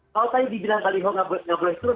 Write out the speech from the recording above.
kalau tadi dibilang baliho nggak boleh turun